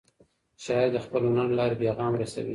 شاعر د خپل هنر له لارې پیغام رسوي.